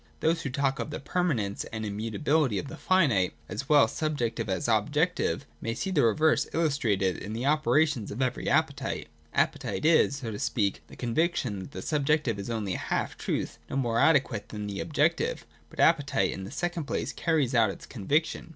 Those who talk of the permanence and immutability of the finite, as well subjective as objective, may see the reverse illustrated in the opera tions of every appetite. Appetite is, so to speak, the conviction that the subjective is only a halftruth, no more adequate than the objective. But appetite in the second place carries out its conviction.